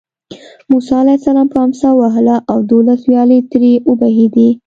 موسی علیه السلام په امسا ووهله او دولس ویالې ترې وبهېدې.